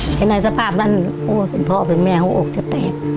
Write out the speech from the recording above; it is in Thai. เห็นไหนสภาพนั้นโอ๊ยเป็นพ่อเป็นแม่โอ๊ยอกจะแตก